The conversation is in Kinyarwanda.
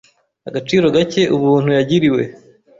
agaciro gake ubuntu yagiriwe